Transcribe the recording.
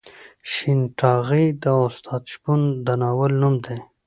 شین ټاغی د استاد شپون د ناول نوم دی.